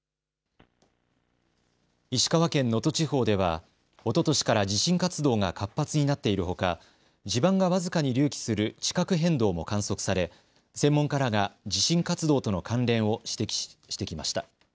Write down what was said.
石川県能登地方ではおととしから地震活動が活発になっているほか、地盤が僅かに隆起する地殻変動も観測され専門家らが地震活動との関連を指摘してきました。